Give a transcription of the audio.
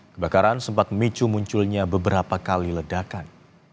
kebakaran sempat memicu munculnya beberapa kali ledakan